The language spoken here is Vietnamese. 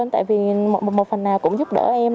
thì một phần nào cũng giúp đỡ em